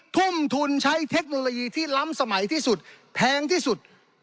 ทุ่มทุนใช้เทคโนโลยีที่ล้ำสมัยที่สุดแพงที่สุด